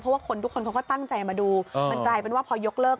เพราะว่าคนทุกคนเขาก็ตั้งใจมาดูมันกลายเป็นว่าพอยกเลิก